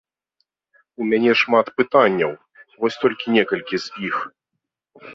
У мяне шмат пытанняў, вось толькі некалькі з іх.